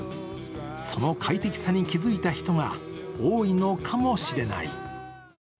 その快適さに気づいた人が多いのかもしれない。